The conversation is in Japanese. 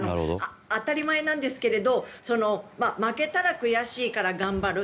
当たり前なんですけど負けたら悔しいから頑張る。